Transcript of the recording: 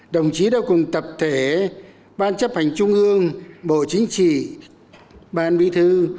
đồng chí đã cùng tập thể ban chấp hành trung ương bộ chính trị ban bí thư